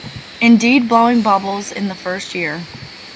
Indeed blowing bubbles in the first year